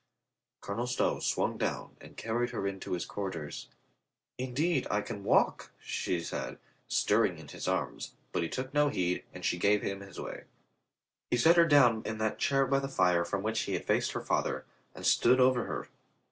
Colonel Stow swung down and carried her into his quarters. "Indeed, I can walk," she said, stir ring in his arms, but he took no heed and she gave him his way. He set her down in that chair by the fire from which ho had faced her father and stood over her.